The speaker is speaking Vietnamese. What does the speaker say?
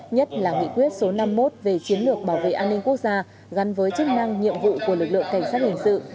nhất là nghị quyết số năm mươi một về chiến lược bảo vệ an ninh quốc gia gắn với chức năng nhiệm vụ của lực lượng cảnh sát hình sự